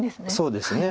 そうですね。